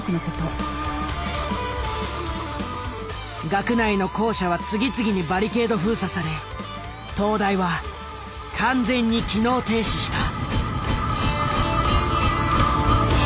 学内の校舎は次々にバリケード封鎖され東大は完全に機能停止した。